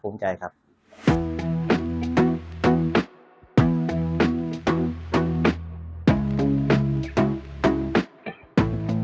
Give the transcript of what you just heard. ภูมิใจครับเห็นลูกค้ายิ้มทั้ง๒คนก็ภูมิใจครับ